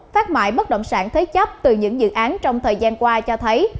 phát mại bất động sản thế chấp từ những dự án trong thời gian qua cho thấy